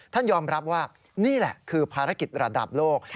ยอมรับว่านี่แหละคือภารกิจระดับโลก